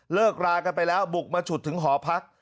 เลิกรากันไปแล้วบุกมาฉุดถึงหอพัก